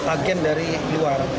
agen dari luar